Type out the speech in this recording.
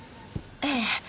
ええ。